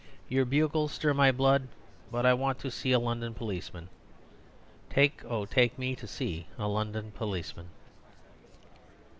Your bugles stir my blood, but I want to see a London policeman. Take, oh, take me to see a London policeman."